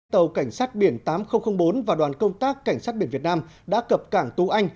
tàu cảnh sát biển tám nghìn bốn và đoàn công tác cảnh sát biển việt nam đã cập cảng tú anh